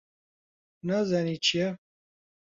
نازانی چییە؟